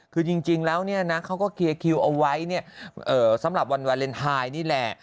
คือจริงแล้วเนี่ยนะเขาก็เคลียร์คิวเอาไว้สำหรับวันวาเลนไทยนี่แหละ